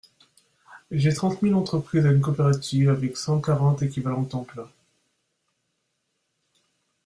J’ai transmis l’entreprise à une coopérative avec cent quarante équivalents temps plein.